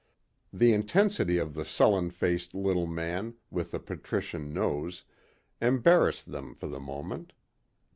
The intensity of the sullen faced little man with the patrician nose embarrassed them for the moment.